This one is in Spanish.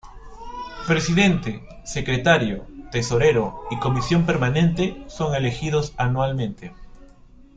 Presidente, Secretario, Tesorero y Comisión Permanente son elegidos anualmente.